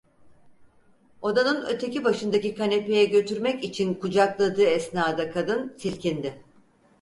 Odanın öteki başındaki kanepeye götürmek için kucakladığı esnada kadın silkindi…